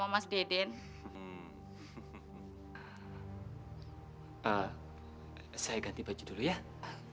ampuni dosa allah